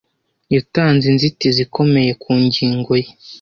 Yatanze inzitizi ikomeye ku ngingo ye.